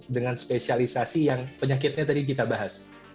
dengan spesialisasi yang penyakitnya tadi kita bahas